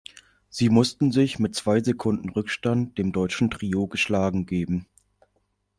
Sie mussten sich mit zwei Sekunden Rückstand dem deutschen Trio geschlagen geben.